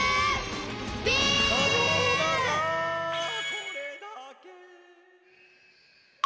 これだけ！